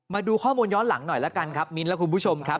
มาดูข้อมูลย้อนหลังหน่อยละกันครับมิ้นและคุณผู้ชมครับ